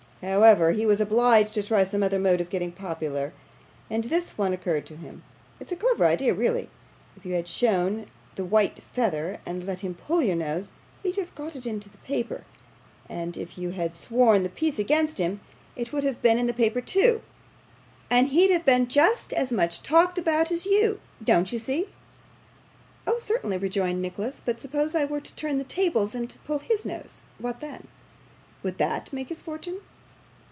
However, he was obliged to try some other mode of getting popular, and this one occurred to him. It's a clever idea, really. If you had shown the white feather, and let him pull your nose, he'd have got it into the paper; if you had sworn the peace against him, it would have been in the paper too, and he'd have been just as much talked about as you don't you see?' 'Oh, certainly,' rejoined Nicholas; 'but suppose I were to turn the tables, and pull HIS nose, what then? Would that make his fortune?